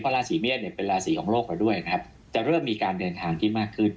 พระราศรีเมียเป็นราศรีของโรคกันด้วยจะเริ่มมีการเดินทางที่มากขึ้น